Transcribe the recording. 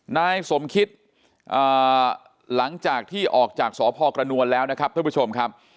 นายสมคิตหลังจากที่ออกจากสพกระนวลแล้วนะครับท่านผู้ชมครับ